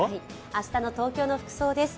明日の東京の服装です。